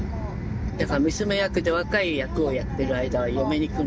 だから娘役で若い役をやってる間は嫁に行くなって。